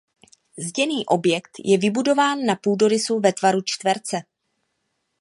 Zděný objekt je vybudován na půdorysu ve tvaru čtverce.